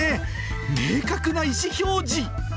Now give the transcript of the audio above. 明確な意思表示。